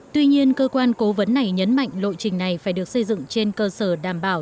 tuy nhiên cơ quan cố vấn này nhấn mạnh lộ trình này phải được xây dựng trên cơ sở đảm bảo